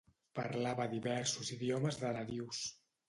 Parlava diversos idiomes de nadius.